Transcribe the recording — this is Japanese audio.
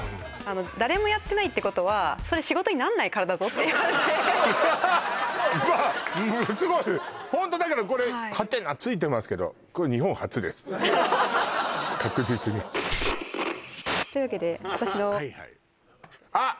誰もやってないってことはそれ仕事になんないからだぞって言われてまあものすごいホントだからこれハテナついてますけど確実にというわけで私のはいはいあっ！